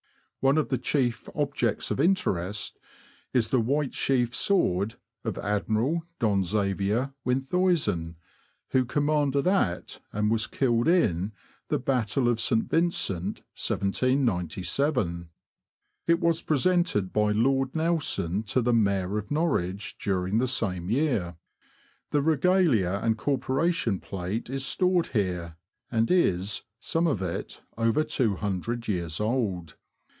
One of the chief objects of interest is the white sheathed sword of Admiral Don Zavier Winthuysen, who commanded at, and was killed in, the Battle of St. Vincent, 1797. It was presented by Lord Nelson to the Mayor of Norwich during the same year. The Regalia and Corporation Plate is stored here, and is, some of it, over 200 years old.